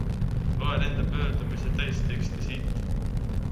Loe nende pöördumise täisteksti siit.